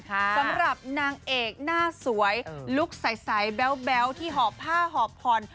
สำหรับนางเอกหน้าสวยลุคใสแบ๊วที่หอบผ้าหอบผ่อน